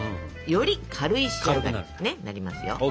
より軽い仕上がりになりますよ。